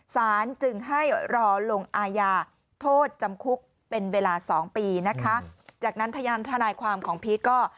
สารจึงให้รอลงอาญาโทษจำคุกเป็นเวลาสองปีนะคะจากนั้นทนายความของพีชก็